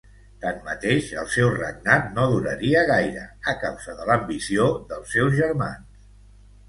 Tanmateix, el seu regnat no duraria gaire, a causa de l'ambició dels seus germans.